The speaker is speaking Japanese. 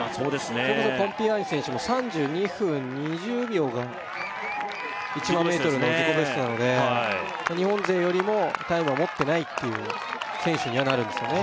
それこそポンピアーニ選手も３２分２０秒が１００００ｍですね１００００ｍの自己ベストなので日本勢よりもタイムを持ってないっていう選手にはなるんですよね